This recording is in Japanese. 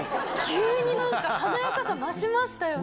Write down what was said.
急に何か華やかさ増しましたよね？